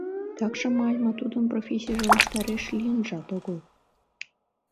Такшым Альма тудын профессийже ваштареш лийынжат огыл.